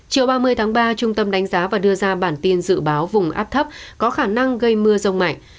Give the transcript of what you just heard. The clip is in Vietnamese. chiều ba mươi tháng ba trung tâm đánh giá và đưa ra bản tin dự báo vùng áp thấp có khả năng gây mưa rông mạnh